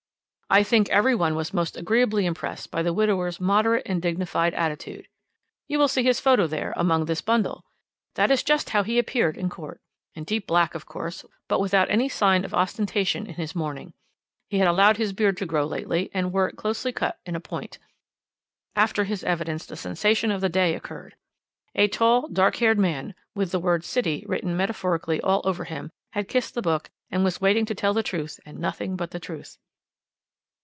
"I think every one was most agreeably impressed by the widower's moderate and dignified attitude. You will see his photo there, among this bundle. That is just how he appeared in court. In deep black, of course, but without any sign of ostentation in his mourning. He had allowed his beard to grow lately, and wore it closely cut in a point. "After his evidence, the sensation of the day occurred. A tall, dark haired man, with the word 'City' written metaphorically all over him, had kissed the book, and was waiting to tell the truth, and nothing but the truth.